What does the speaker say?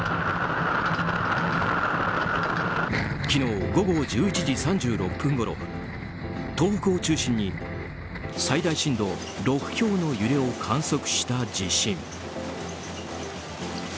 昨日午後１１時３６分ごろ東北を中心に最大震度６強の揺れを観測した地震。